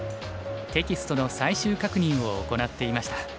テキストの最終確認を行っていました。